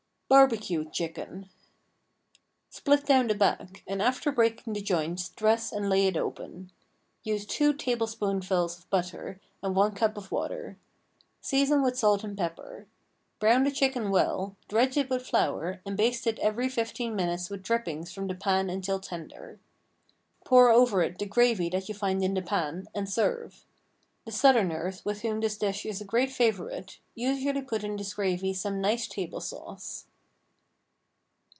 BARBECUED CHICKEN. Split down the back, and after breaking the joints dress and lay it open. Use two tablespoonfuls of butter and one cup of water. Season with salt and pepper. Brown the chicken well, dredge it with flour and baste it every fifteen minutes with drippings from the pan until tender. Pour over it the gravy that you find in the pan, and serve. The Southerners, with whom this dish is a great favorite, usually put in this gravy some nice table sauce.